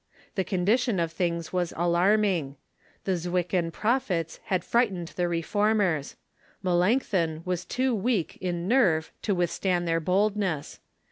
The condition of things was alarming. The Zwickau Prophets had fright ened the Reformers. Melanchthon Avas too weak in nerve to withstand their boldness.